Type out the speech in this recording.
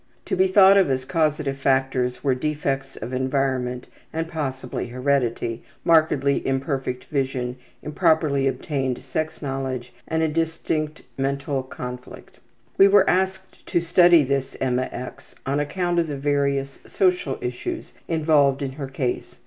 To be thought of as causative factors were defects of environment and possibly heredity, markedly imperfect vision, improperly obtained sex knowledge, and a distinct mental conflict. We were asked to study this Emma X. on account of the various social issues involved in her case.